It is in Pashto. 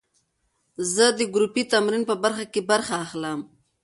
زه د ګروپي تمرین په برخه کې برخه اخلم.